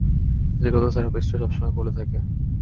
যে কথা থেরাপিস্টরা সবসময় বলে থাকে।